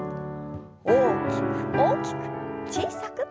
大きく大きく小さく。